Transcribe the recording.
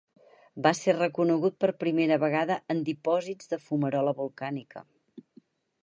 Va ser reconegut per primera vegada en dipòsits de fumarola volcànica.